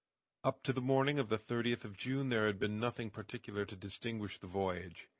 Up to the morning of the 30th of June there had been nothing particular to distinguish the voyage.